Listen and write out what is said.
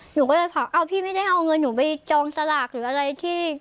หนูเลยฝากที่ไม่ได้เอาเงินเป็นไปเจ้าซากอีกอะไรที่